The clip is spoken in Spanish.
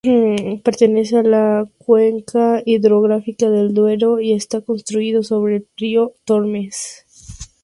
Pertenece a la cuenca hidrográfica del Duero y está construido sobre el río Tormes.